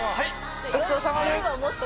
ごちそうさまです。